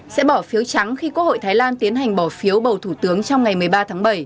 sẽ bỏ phiếu trắng khi quốc hội thái lan tiến hành bỏ phiếu bầu thủ tướng trong ngày một mươi ba tháng bảy